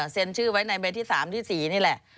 เซ็นชื่อไว้ในใบที่๓ที่๔นี่แหละ